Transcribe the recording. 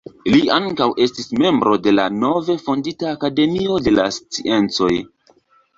Li ankaŭ estis membro de la nove fondita Akademio de la sciencoj.